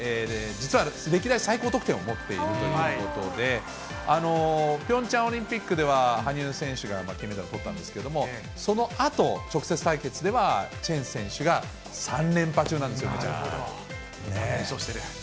実は歴代最高得点を持っているということで、ピョンチャンオリンピックでは、羽生選手が金メダルをとったんですけれども、そのあと、直接対決ではチェン選手が３連覇中なんですよ、連勝してる。